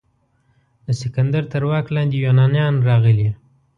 د سکندر تر واک لاندې یونانیان راغلي.